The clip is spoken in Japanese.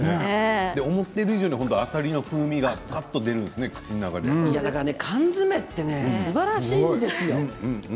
思った以上にあさりの風味が出るんですねだから缶詰ってすばらしいんですよ。